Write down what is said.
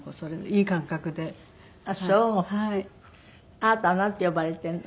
あなたはなんて呼ばれているの？